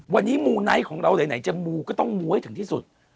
วันนี้มูไนท์ของเราไหนจะมูก็ต้องมูให้ถึงที่สุด